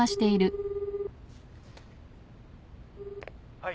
☎はい。